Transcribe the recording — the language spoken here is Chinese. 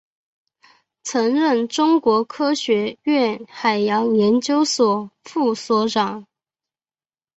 曾任中国科学院海洋研究所副所长。